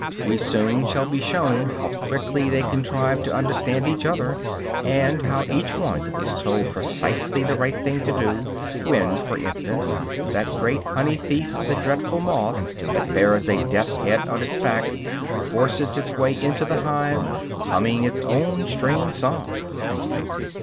We soon shall be shown how quickly they contrive to understand each other, and how each one is told precisely the right thing to do, when, for instance, that great honey thief, the dreadful moth that bears a death's head on its back, forces its way into the hive, humming its own strange song.